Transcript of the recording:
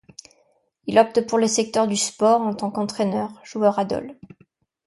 Il opte pour le secteur du sport en tant qu'entraîneur - joueur à Dole.